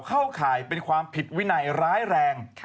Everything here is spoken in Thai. ข่ายเป็นความผิดวินัยร้ายแรง